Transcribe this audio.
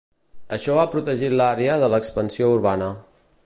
Això ha protegit l'àrea de l'expansió urbana.